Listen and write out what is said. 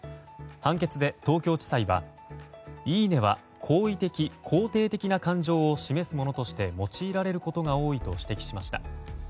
判決で東京地裁はいいねは好意的・肯定的な感情を示すものとして用いられることが多いと指摘しました。